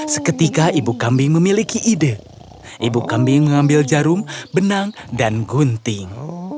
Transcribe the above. seketika ibu kambing memiliki ide ibu kambing mengambil jarum benang dan gunting